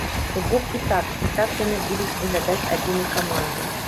То бок і так, і так яны будуць выглядаць адзінай камандай.